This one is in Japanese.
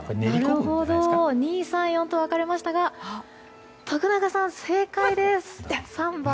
２、３、４と分かれましたが徳永さん、正解です。